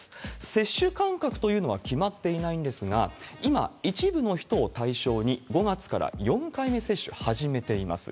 接種間隔というのは決まっていないんですが、今、一部の人を対象に、５月から４回目接種、始めています。